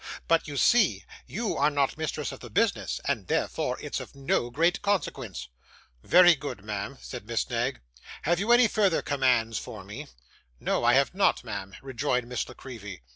'But, you see, you are not mistress of the business, and therefore it's of no great consequence.' 'Very good, ma'am,' said Miss Knag. 'Have you any further commands for me?' 'No, I have not, ma'am,' rejoined Miss La Creevy.